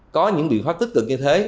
có những biện pháp tích cực như thế